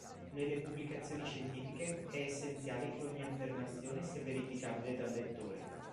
Nelle pubblicazioni scientifiche è essenziale che ogni affermazione sia verificabile dal lettore.